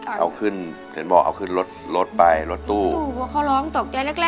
เอาขึ้นเห็นบอกเอาขึ้นรถไปรถตู้รถตู้ว่าเขาร้องตกใจแรก